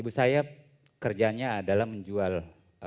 ibu saya kerjanya adalah menjual